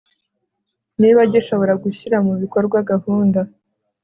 niba gishobora gushyira mu bikorwa gahunda